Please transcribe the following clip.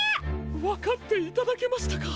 わかっていただけましたか！